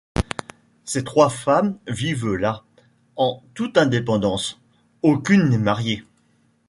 Ces trois femmes vivent là en toute indépendance, aucune n’est mariée.